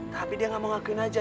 tapi dia gak mau ngakuin aja